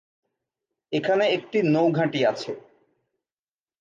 এখানে একটি নৌঘাঁটি আছে।